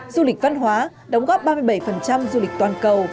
du lịch văn hóa đóng góp ba mươi bảy du lịch toàn cầu